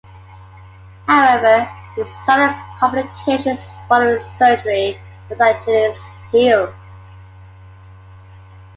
However, he suffered complications following surgery on his Achilles' heel.